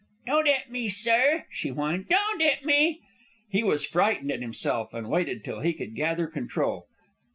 "Don't 'it me, sir!" she whined. "Don't 'it me!" He was frightened at himself, and waited till he could gather control.